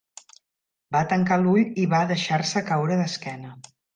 Va tancar el ull i va deixar-se caure d'esquena.